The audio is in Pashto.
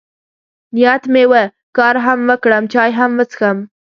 نیت مې و، کار هم وکړم، چای هم وڅښم.